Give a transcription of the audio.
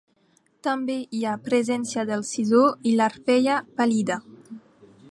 També hi ha presència del sisó i l’arpella pàl·lida.